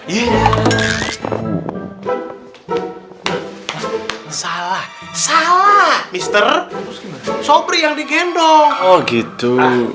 salah salah mister sopri yang digendong gitu